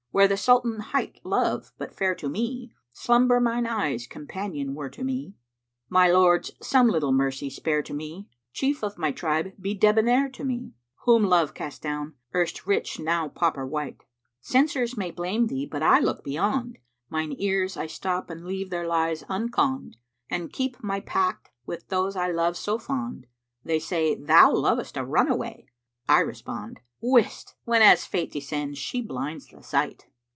Were the Sultan hight Love but fair to me, * Slumber mine eyes' companion were to me, My Lords, some little mercy spare to me, * Chief of my tribe: be debonnair to me, Whom Love cast down, erst rich now pauper wight! Censors may blame thee but I look beyond * Mine ears I stop and leave their lies unconned And keep my pact wi' those I love so fond: * They say, 'Thou lov'st a runaway!' I respond, 'Whist! whenas Fate descends she blinds the sight!'"